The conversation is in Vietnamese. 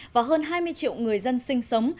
và hơn hai mươi triệu người dân sinh sống